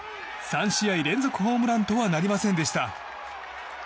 ３試合連続ホームランとはなりませんでした。